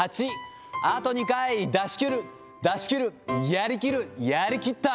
８、あと２回、出し切る、出し切る、やりきる、やりきった。